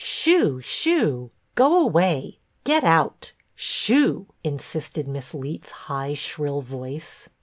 " Shoo ! Shoo ! Go away ! Get out ! Shoo !" insisted Miss Leet's high shrill voice.